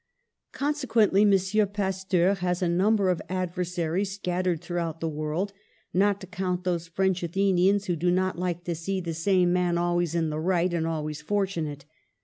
Consequently M. Pasteur has a number of adversaries scattered throughout the world, not to count those French Athenians who do not like to see the same man always in the right and always fortunate.